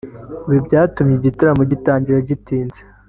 ibi byatumye igitaramo gitangira gitinze